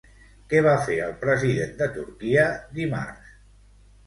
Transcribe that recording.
Què va fer el president de Turquia dimarts?